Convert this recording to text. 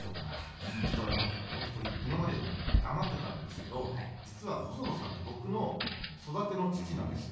ちょっと本当これ今まで黙ってたんですけど実は細野さんって僕の育ての父なんですよ。